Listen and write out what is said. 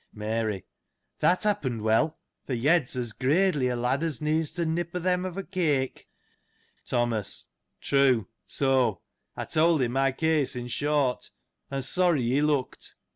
Mary. — That happened well, for Yed's as gradely a lad as needs to nip o' th' hem of a cake. Thomas. — True, so, I told him my case, in short, and sorry he looked.